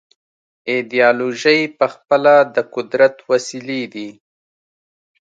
ایدیالوژۍ پخپله د قدرت وسیلې دي.